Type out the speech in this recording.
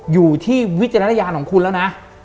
อยู่ที่วิจารณญาณของคุณแล้วนะ